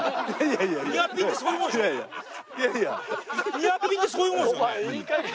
ニアピンってそういうもんですよね？